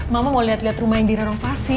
mama mau liat liat rumah yang direrovasi